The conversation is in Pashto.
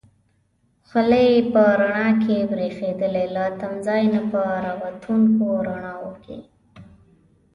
خولۍ یې په رڼا کې برېښېدلې، له تمځای نه په را وتونکو رڼاوو کې.